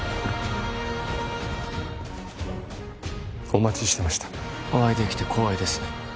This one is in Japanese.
お待ちしてましたお会いできて光栄です